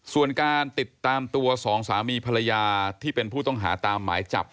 ส่วนการติดตามตัวสองสามีภรรยาที่เป็นผู้ต้องหาตามหมายจับ